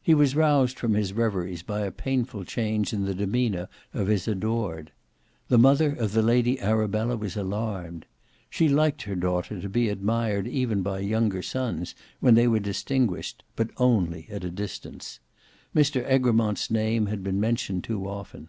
He was roused from his reveries by a painful change in the demeanour of his adored. The mother of the Lady Arabella was alarmed. She liked her daughter to be admired even by younger sons when they were distinguished, but only at a distance. Mr Egremont's name had been mentioned too often.